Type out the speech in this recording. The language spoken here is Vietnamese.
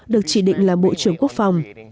được chỉ định là bộ trưởng quốc phòng